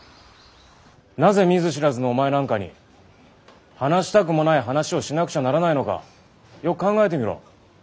なぜ見ず知らずのお前なんかに話したくもない話をしなくちゃならないのかよく考えてみろ。